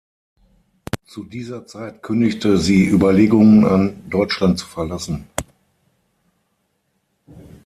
Zu dieser Zeit kündigte sie Überlegungen an, Deutschland zu verlassen.